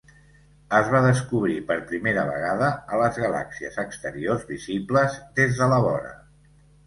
Es va descobrir per primera vegada a les galàxies exteriors visibles des de la vora.